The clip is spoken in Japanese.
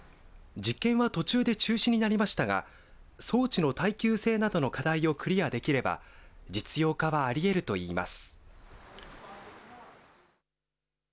実験は途中で中止になりましたが、装置の耐久性などの課題をクリアできれば、実用化はありえるといいます。